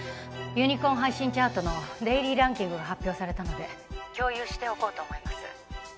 ユニコン配信チャートのデイリーランキングが発表されたので☎共有しておこうと思います